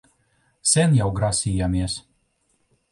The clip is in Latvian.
Sen jau grasījāmies...